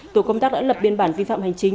tổ công tác đã lập biên bản vi phạm hành chính